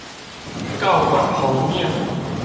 到絕風嶺